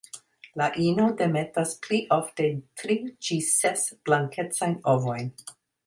La ino demetas pli ofte tri ĝis ses blankecajn ovojn.